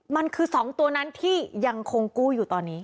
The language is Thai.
มันคือ๒ตัวนั้นที่ยังคงกู้อยู่ตอนนี้